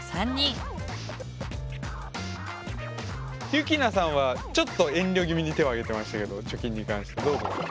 ゆきなさんはちょっと遠慮気味に手を挙げてましたけど貯金に関してどうですか？